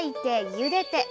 ゆでて。